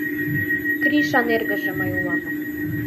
Кришан эргыже мый улам.